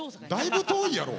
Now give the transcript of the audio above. だいぶ遠いやろ。